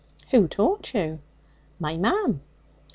'Who taught you?' 'My mam.'